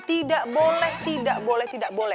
tidak boleh tidak boleh